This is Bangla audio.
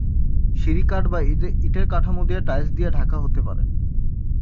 সিঁড়ি কাঠ বা ইটের কাঠামো দিয়ে টাইলস দিয়ে ঢাকা হতে পারে।